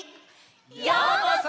ようこそ！